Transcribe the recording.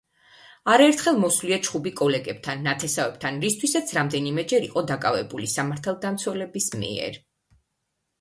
არაერთხელ მოსვლია ჩხუბი კოლეგებთან, ნათესავებთან, რისთვისაც რამდენიმეჯერ იყო დაკავებული სამართალდამცველების მიერ.